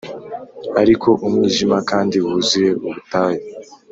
ariko umwijima kandi wuzuye ubutayu